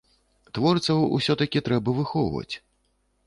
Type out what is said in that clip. Творцаў усё-такі трэба выхоўваць.